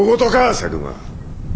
佐久間。